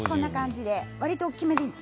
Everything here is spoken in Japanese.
わりと大きめでいいです。